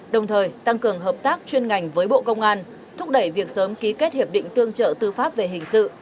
đồng thời tăng cường hợp tác chuyên ngành với bộ công an thúc đẩy việc sớm ký kết hiệp định tương trợ tư pháp về hình sự